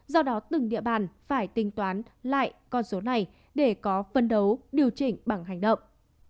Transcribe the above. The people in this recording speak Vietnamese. do đó từng địa bàn phải tính toán lại con số này để có phân đấu điều chỉnh bằng hành động